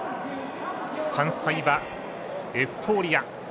３歳馬、エフフォーリア。